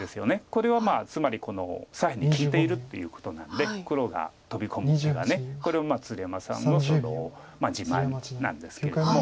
これはつまり左辺に利いているということなんで黒が飛び込む手がこれも鶴山さんの自慢なんですけれども。